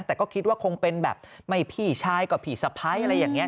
แต่ก็คิดว่าคงเป็นแบบไม่พี่ชายกับพี่สะพ้ายอะไรอย่างนี้